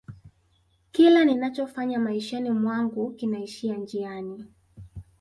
kila ninachofanya maishani mwangu kinaishia njiani